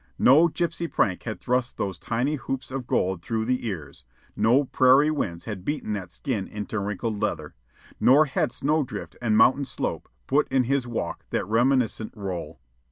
No gypsy prank had thrust those tiny hoops of gold through the ears; no prairie winds had beaten that skin into wrinkled leather; nor had snow drift and mountain slope put in his walk that reminiscent roll.